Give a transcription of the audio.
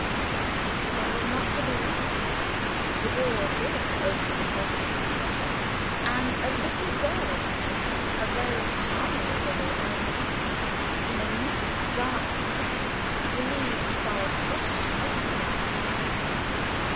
But that was not to be. The door did open presently, however, and a little girl appeared; a very charming little maiden indeed, in a neat dark costume relieved by a fresh white pinafore.